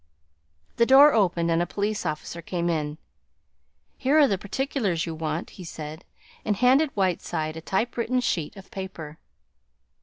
The door opened and a police officer came in. "Here are the particulars you want," he said and handed Whiteside a typewritten sheet of paper.